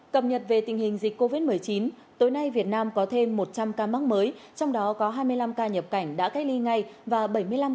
cảm nhận về tình hình dịch covid một mươi chín tối nay việt nam có thêm một trăm linh ca mắc mới trong đó có hai mươi năm ca nhập cảnh đã cách ly ngay và một mươi năm ca nhập cảnh đã cách ly ngay